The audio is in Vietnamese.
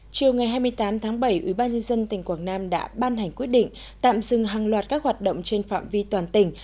chiều ngày hai mươi tám tháng bảy ubnd tỉnh quảng nam đã ban hành quyết định tạm dừng hàng loạt các hoạt động trên phạm vi toàn tỉnh